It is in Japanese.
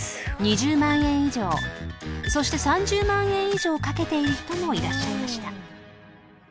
［２０万円以上そして３０万円以上かけている人もいらっしゃいました］